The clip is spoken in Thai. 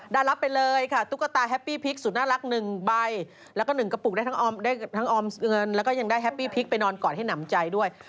ได้รับไปเลยค่ะตุ๊กตาแฮปปี้พริกสุดน่ารัก๑ใบแล้วก็๑กระปุกได้ทั้งออมได้ทั้งออมเงินแล้วก็ยังได้แฮปปี้พริกไปนอนกอดให้หนำใจด้วย